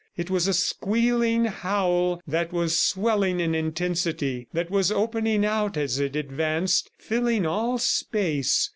It was a squealing howl that was swelling in intensity, that was opening out as it advanced, filling all space.